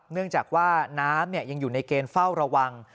เนื่องจากว่าน้ำยังอยู่ในเกณฑ์เฝ้าระวัง